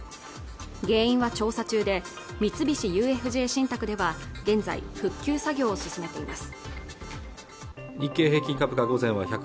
原因は調査中で三菱ＵＦＪ信託では現在復旧作業を進めています